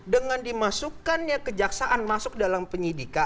dengan dimasukkannya kejaksaan masuk dalam penyidikan